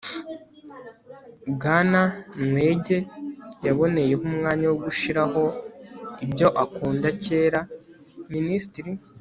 bwana nwege yaboneyeho umwanya wo gushiraho ibyo akunda kera. minisitiri